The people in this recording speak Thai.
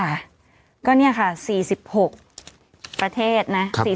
ค่ะก็นี่ค่ะ๔๖ประเทศนะ